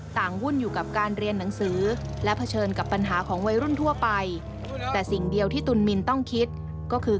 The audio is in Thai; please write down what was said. ต่างวุ่นอยู่กับการเรียนหนังสือ